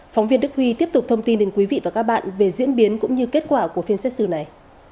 phóng viên đức huy tiếp tục thông tin đến quý vị và các bạn về diễn biến cũng như kết quả của phiên xét xử này